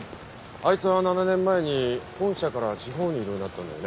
あいつは７年前に本社から地方に異動になったんだよね。